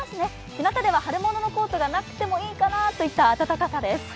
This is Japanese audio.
日向では春物のコートがなくてもいいかなという暖かさです。